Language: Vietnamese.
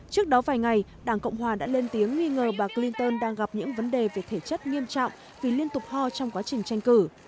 trước đó vài ngày đảng cộng hòa đã lên tiếng nghi ngờ bà clinton đang gặp những vấn đề về thể chất nghiêm trọng vì liên tục ho trong quá trình tranh cử